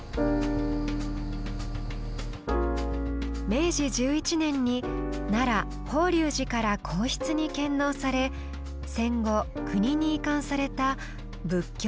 明治１１年に奈良・法隆寺から皇室に献納され戦後国に移管された仏教美術品の数々。